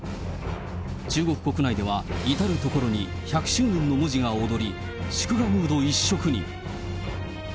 中国国内では至る所に１００周年の文字が躍り、祝賀ムード一色に。